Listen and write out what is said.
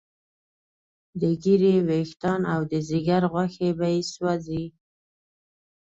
د ږیرې ویښتان او د ځیګر غوښې به یې سوځي.